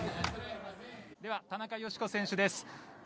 では、田中佳子選手です。